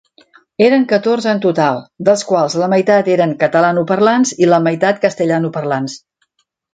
Eren catorze en total, dels quals la meitat eren catalanoparlants i la meitat castellanoparlants.